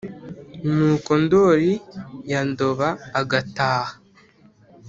Nuko ndori ya Ndoba agataha,